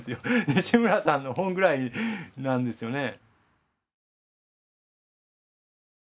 西村さんの本ぐらいなんですよね。